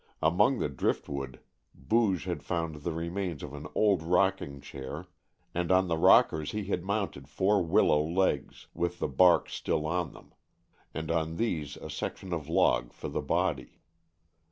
Among the driftwood Booge had found the remains of an old rocking chair, and on the rockers he had mounted four willow legs, with the bark still on them, and on these a section of log for the body.